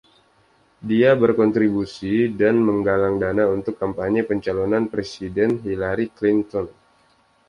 Dia berkontribusi dan menggalang dana untuk kampanye pencalonan Presiden Hillary Clinton.